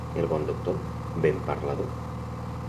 El bon doctor, ben parlador.